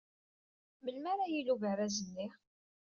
Melmi ara d-yili ubaraz-nni?